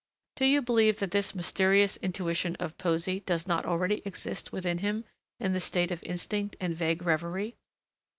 Do you believe that this mysterious intuition of poesy does not already exist within him in the state of instinct and vague revery?